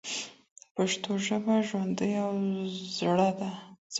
پښتو ژبه ژوندۍ او زړه ده.